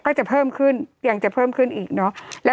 โทษทีน้องโทษทีน้อง